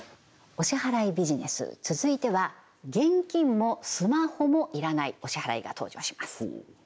お支払いビジネス続いては現金もスマホもいらないお支払いが登場します